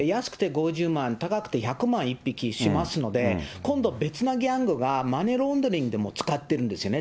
５０万、高くて１００万、１匹しますので、今度、別のギャングがマネーロンダリングでも使ってるんですね。